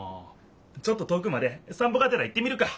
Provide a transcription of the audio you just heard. ちょっと遠くまでさん歩がてら行ってみるか！